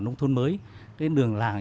nông thôn mới cái đường làng